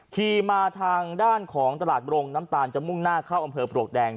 ขี่มาทางด้านของตลาดโรงน้ำตาลจะมุ่งหน้าเข้าอำเภอปลวกแดง